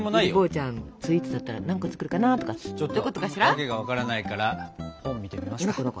訳が分からないから本見てみますか。